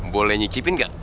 boleh nyicipin gak